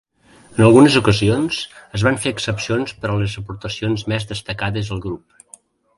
En algunes ocasions, es van fer excepcions per a les aportacions més destacades al grup.